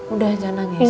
udah aja nangis